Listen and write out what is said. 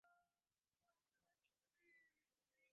তলপেট অনেক ব্যথা করে এবং বমি হয়।